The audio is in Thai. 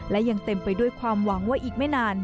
และยังเต็มไปด้วยความหวังว่าอีกไม่นาน